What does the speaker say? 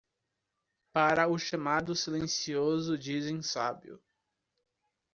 Para o chamado silencioso dizem sábio.